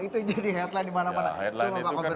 itu jadi headline dimana mana